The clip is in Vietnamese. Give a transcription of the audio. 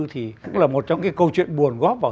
thì cũng là một trong cái câu chuyện buồn góp vào